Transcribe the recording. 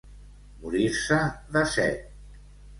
Morir-se de set.